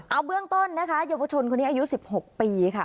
เอาเบื้องต้นนะคะเยียบประชุนคนนี้อายุสิบหกปีค่ะ